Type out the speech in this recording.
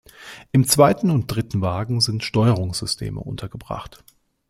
Im zweiten und dritten Wagen sind Steuerungssysteme untergebracht.